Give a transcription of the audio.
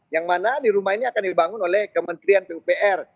yang mana di rumah ini akan dibangun oleh kementerian pupr